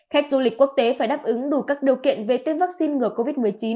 khách du lịch quốc tế phải đáp ứng đủ các điều kiện về tiêm vaccine ngừa covid một mươi chín